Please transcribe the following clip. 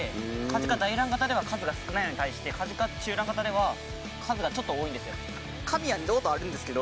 カジカ大卵型では数が少ないのに対してカジカ中卵型では数がちょっと多いんですよ。